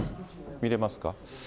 見れますか。